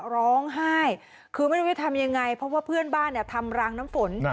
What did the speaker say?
ร้องไห้คือไม่รู้จะทำยังไงเพราะว่าเพื่อนบ้านทำรางน้ำฝน